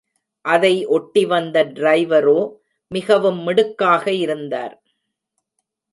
அதை ஒட்டி வந்த டிரைவரோ மிகவும் மிடுக்காக இருந்தார்.